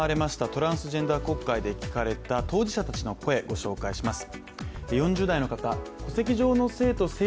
トランスジェンダー国会で聞かれた当事者たちの声、ご紹介します。